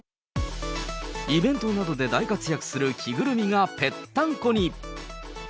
イベントなどで大活躍する着ぐるみがぺったんこに。